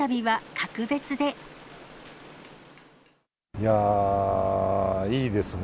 いやー、いいですね。